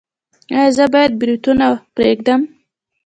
ایا زه باید بروتونه پریږدم؟